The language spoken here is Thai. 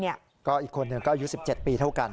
อีกคนหนึ่งก็อายุ๑๗ปีเท่ากัน